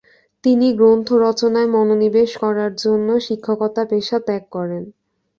তিনি গ্রন্থ রচনায় মনোনিবেশ করার জন্য শিক্ষকতা পেশা ত্যাগ করেন।